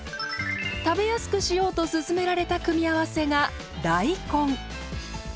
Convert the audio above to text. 食べやすくしようとすすめられた組み合わせが大根。